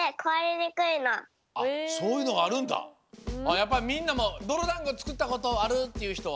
やっぱみんなもどろだんごつくったことあるっていうひとは？